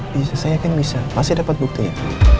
bisa saya yakin bisa masih dapet buktinya